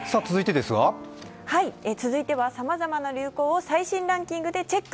続いては、さまざまな流行を最新ランキングでチェック！